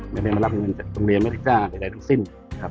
ไม่ได้มารับเงินจากโรงเรียนไม่ได้จ้างใดทั้งสิ้นครับ